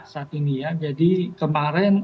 saat ini ya jadi kemarin